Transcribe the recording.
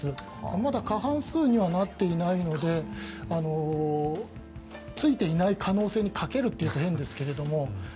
まだ過半数にはなっていないのでついていない可能性にかけるというと変ですけど。